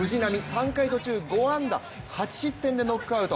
３回５安打途中、８失点でノックアウト。